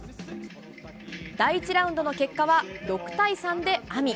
第１ラウンドの結果は、６対３でＡＭＩ。